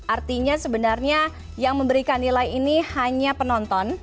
artinya sebenarnya yang memberikan nilai ini hanya penonton